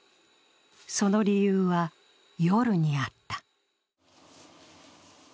その理由は夜にあった。